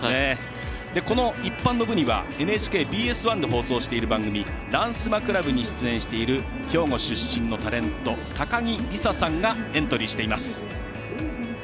この一般の部にはＮＨＫＢＳ１で放送している番組「ランスマ倶楽部」に出演している兵庫出身のタレント高樹リサさんがエントリーしています。